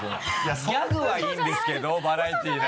ギャグはいいんですけどバラエティーなんで。